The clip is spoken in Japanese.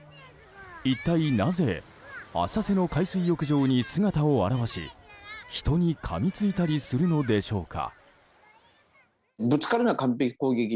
一体なぜ浅瀬の海水浴場に姿を現し人にかみついたりするのでしょうか。